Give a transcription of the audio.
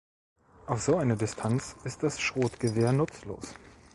Auf so eine Distanz ist das Schrotgewehr nutzlos.